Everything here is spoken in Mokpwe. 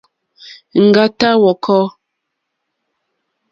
Ŋɡàtá hwɔ̄kɔ̄.